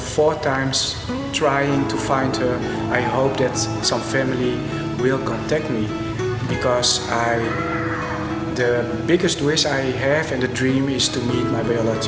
kami tidak bisa mencari orang tua yang berada di dalam kandung